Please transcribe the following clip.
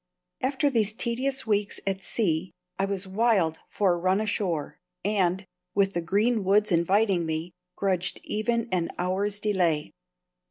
After these tedious weeks at sea I was wild for a run ashore, and, with the green woods inviting me, grudged even an hour's delay.